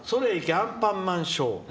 アンパンマンショー」。